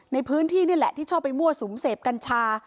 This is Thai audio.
ในพื้นที่นี่แหละที่ชอบไปมั่วสูมเสพกัญชา